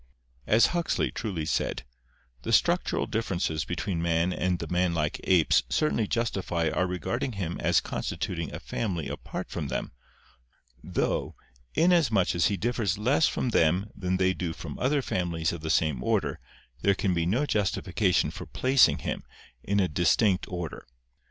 As Huxley truly said: "The structural differences between man and the man like apes certainly justify our regarding him as constituting a family apart from them; though, inasmuch as he differs less from them than they do from other families of the same order there can be no justification for placing him in a distinct or THE EVOLUTION OF MAN 66 1 der.